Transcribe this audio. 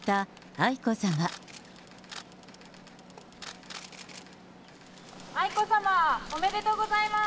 愛子さま、おめでとうございます。